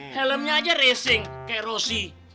helmnya aja racing kayak rosi